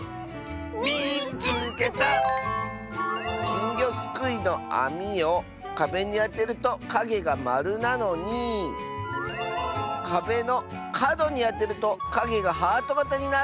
「きんぎょすくいのあみをかべにあてるとかげがまるなのにかべのかどにあてるとかげがハートがたになる！」。